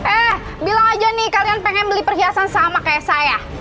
eh bilang aja nih kalian pengen beli perhiasan sama kayak saya